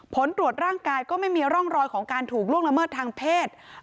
ผลตรวจร่างกายก็ไม่มีร่องรอยของการถูกล่วงละเมิดทางเพศ